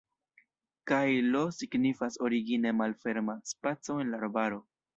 Kaj "Lo" signifas origine malferma spaco en la arbaro.